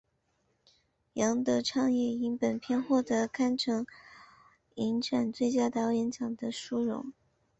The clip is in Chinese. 杨德昌也因本片获得坎城影展最佳导演奖的殊荣。